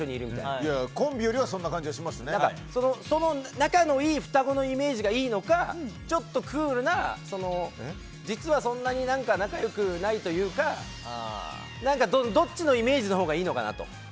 仲良しでコンビよりは仲のいい双子のイメージがいいのかちょっとクールな実はそんなに仲良くないというかどっちのイメージのほうがいいのかなと。